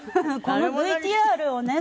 このＶＴＲをね